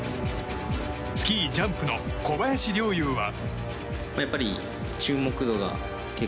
スキージャンプの小林陵侑は。